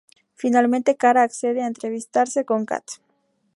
Finalmente, Kara accede a entrevistarse con Cat.